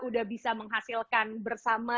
udah bisa menghasilkan bersama